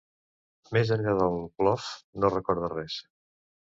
Més enllà del plof no recorda res.